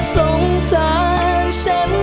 สงสารฉันได้ไหม